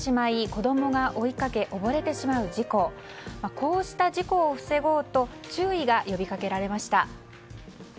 こうした事故を防ごうと注意が呼び掛けられました。